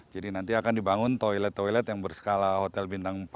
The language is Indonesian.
jadi nanti akan dibangun toilet toilet yang berskala hotel bintang empat